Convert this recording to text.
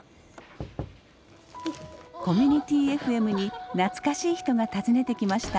コミュニティＦＭに懐かしい人が訪ねてきました。